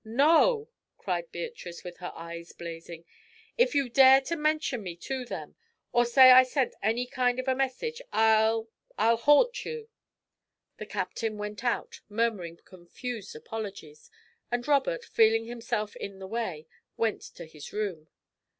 "No!" cried Beatrice, with her eyes blazing. "If you dare to mention me to them, or say I sent any kind of a message, I'll I'll haunt you!" The Captain went out, murmuring confused apologies; and Robert, feeling himself in the way, went to his room.